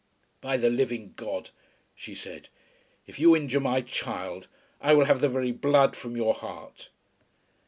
"By the living God," she said, "if you injure my child I will have the very blood from your heart."